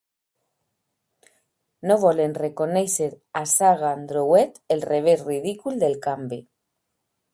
No volen reconèixer a Sagan-Drouet el revés ridícul del canvi.